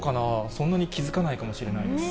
そんなに気付かないかもしれないです。